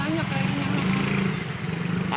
kayaknya sudah banyak